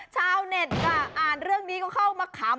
ชาวเน็ตค่ะอ่านเรื่องนี้ก็เข้ามาขำ